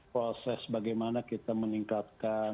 proses bagaimana kita meningkatkan